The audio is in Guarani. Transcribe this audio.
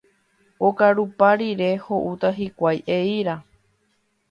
Okarupa rire ho'úta hikuái eíra.